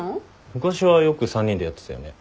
昔はよく３人でやってたよね。